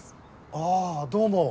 ああどうも。